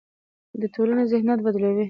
د ټولنې ذهنیت بدلوي.